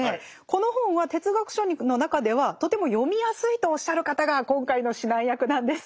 この本は哲学書の中ではとても読みやすいとおっしゃる方が今回の指南役なんです。